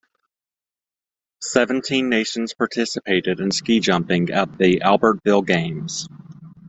Seventeen nations participated in ski jumping at the Albertville Games.